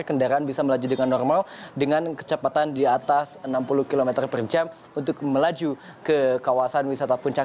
kendaraan bisa melaju dengan normal dengan kecepatan di atas enam puluh km per jam untuk melaju ke kawasan wisata puncak